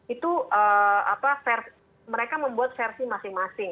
itu mereka membuat versi masing masing